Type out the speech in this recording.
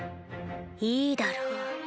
いいだろう。